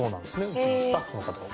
うちのスタッフの方が。